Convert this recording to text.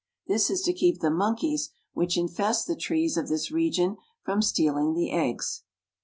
This is to keep the monkeys, which infest the trees of this region, from stealing the eggs.